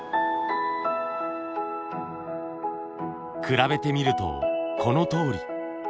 比べてみるとこのとおり。